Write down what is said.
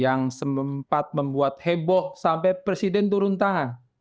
yang sempat membuat heboh sampai presiden turun tangan